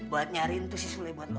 buat nyariin tuh si sulet buat lu